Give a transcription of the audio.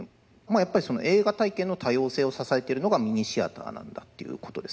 やっぱり映画体験の多様性を支えているのがミニシアターなんだっていうことですね。